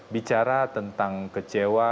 bicara tentang kecewa